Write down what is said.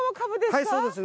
はいそうですね。